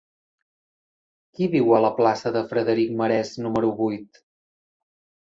Qui viu a la plaça de Frederic Marès número vuit?